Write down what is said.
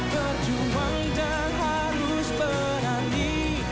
berjuang dan harus berani